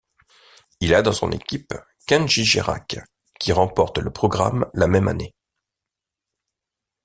Il a dans son équipe Kendji Girac, qui remporte le programme la même année.